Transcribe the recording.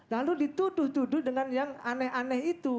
lalu dituduh tuduh dengan yang aneh aneh itu